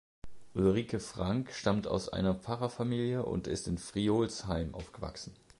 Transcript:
Ulrike Frank stammt aus einer Pfarrerfamilie und ist in Friolzheim aufgewachsen.